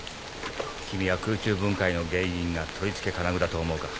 君は空中分解の原因が取り付け金具だと思うか？